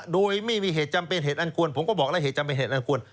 โดยไม่มีเหตุจำเป็นเหตุอันควรผมก็บอกแล้วเหตุจำเป็นเหตุอันควร